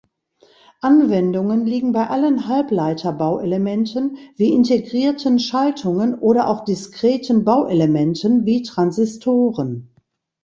Anwendungen liegen bei allen Halbleiterbauelementen wie integrierten Schaltungen oder auch diskreten Bauelementen wie Transistoren.